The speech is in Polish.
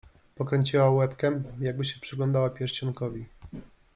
Pokręciła łebkiem, jakby się przyglądała pierścionkowi.